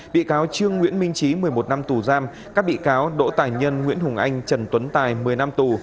bị cáo trương nguyễn minh trí một mươi một năm tù giam các bị cáo đỗ tài nhân nguyễn hùng anh trần tuấn tài một mươi năm tù